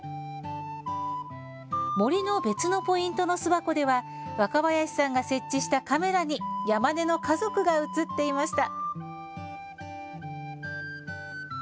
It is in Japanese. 森の別のポイントの巣箱では若林さんが設置したカメラにヤマネの家族が映っていました。